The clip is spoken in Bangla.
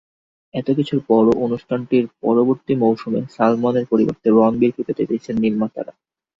এতকিছুর পরও অনুষ্ঠানটির পরবর্তী মৌসুমে সালমানের পরিবর্তে রণবীরকে পেতে চাইছেন নির্মাতারা।